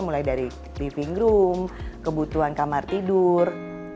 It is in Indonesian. mulai dari living room kebutuhan kamar tidur